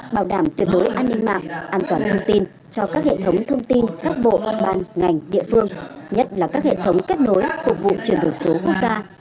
bảo đảm tuyệt đối an ninh mạng an toàn thông tin cho các hệ thống thông tin các bộ ban ngành địa phương nhất là các hệ thống kết nối phục vụ chuyển đổi số quốc gia